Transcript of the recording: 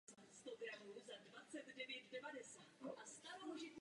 V mužském i ženském turnaji nastoupily reprezentace dvanácti zemí.